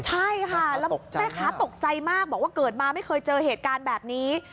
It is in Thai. ใช่ค่ะแล้วแม่ค้าตกใจมากบอกว่าเกิดมาไม่เคยเจอเหตุการณ์แบบนี้